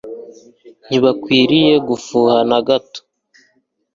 Ntibakwiriye gufuha na gato